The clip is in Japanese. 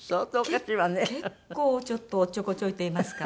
結構ちょっとおっちょこちょいといいますか。